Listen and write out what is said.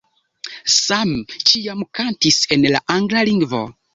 Sam ĉiam kantis en la angla lingvo.